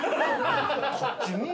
こっち見い！